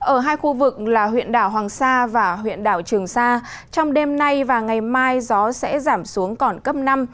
ở hai khu vực là huyện đảo hoàng sa và huyện đảo trường sa trong đêm nay và ngày mai gió sẽ giảm xuống còn cấp năm